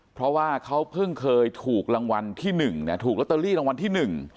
เพราะว่าเขาเพิ่งเคยถูกรางวัลที่หนึ่งนะถูกลอตเตอรี่รางวัลที่หนึ่ง